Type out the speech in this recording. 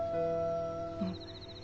うん。